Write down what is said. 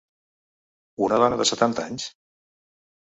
Una dona de setanta anys?